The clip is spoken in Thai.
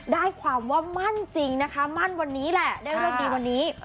ได้ความว่ามั่นจริงนะคะมั่นวันนี้แหละได้เลิกดีวันนี้